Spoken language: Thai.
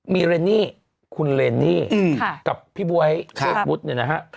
มีเรนนี่คุณเรนนี่กับพี่บ๊วยชื่อบุ๊ตนี่นะครับ